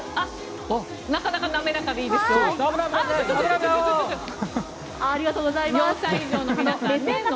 なかなかなめらかでいいですよ。